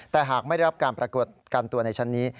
แต่หากไม่ได้รับการปรากฏกันตัวในชั้นนี้